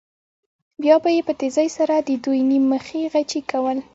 بیا به یې په تېزۍ سره د دوی نیم مخي غچي کول.